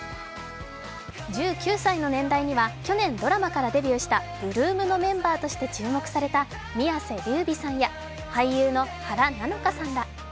１９歳の年代には去年ドラマからデビューした８ＬＯＯＭのメンバーとして注目された宮世琉弥さんや俳優の原菜乃華さんら。